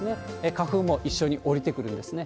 花粉も一緒に下りてくるんですね。